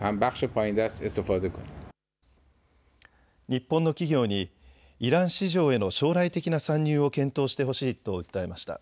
日本の企業にイラン市場への将来的な参入を検討してほしいと訴えました。